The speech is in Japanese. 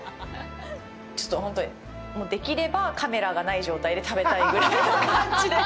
ちょっと本当にもう、できれば、カメラがない状態で食べたいぐらいの感じです。